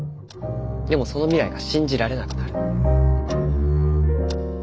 でもその未来が信じられなくなる。